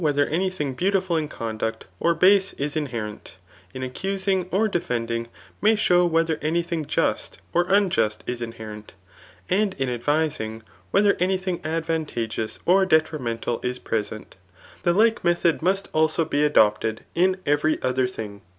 tfaer any thing beautiAil in conduct or base is inherent ; in accusing or defending may show whether any thing just or unjust is inherent; and in advising, whether any diiog advantageous or detrimental is present The like method must also be adopted in every other thing.